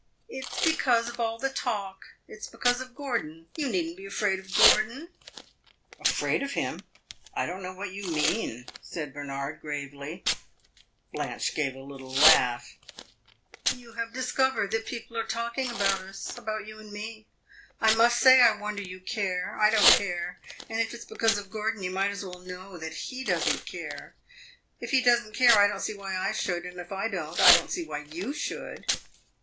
"It 's because of all the talk it 's because of Gordon. You need n't be afraid of Gordon." "Afraid of him? I don't know what you mean," said Bernard, gravely. Blanche gave a little laugh. "You have discovered that people are talking about us about you and me. I must say I wonder you care. I don't care, and if it 's because of Gordon, you might as well know that he does n't care. If he does n't care, I don't see why I should; and if I don't, I don't see why you should!"